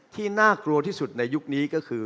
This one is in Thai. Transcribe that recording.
น่ากลัวที่สุดในยุคนี้ก็คือ